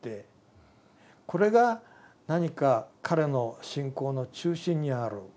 これが何か彼の信仰の中心にある。